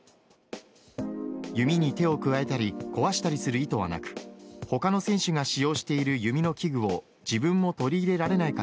弓に手を加えたり壊したりする意図はなく他の選手が使用している弓の器具を自分も取り入れられないか